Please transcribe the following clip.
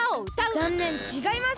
ざんねんちがいます！